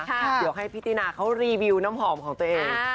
เดี๋ยวให้พี่ตินาเขารีวิวน้ำหอมของตัวเอง